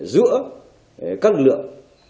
giữa các lực lượng